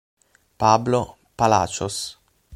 Pablo Palacios